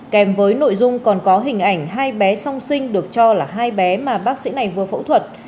kèm với nội dung còn có hình ảnh hai bé song sinh được cho là hai bé mà bác sĩ này vừa phẫu thuật